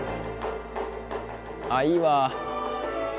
あいいわ。